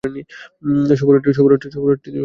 শুভরাত্রি, দোস্ত।